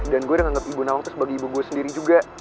dan gue udah nganggep ibu nawang terus bagi ibu gue sendiri juga